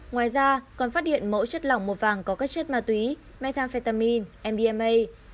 ngoài ra còn phát hiện mẫu chất lỏng màu vàng có các chất ma túy methamphetamine mdma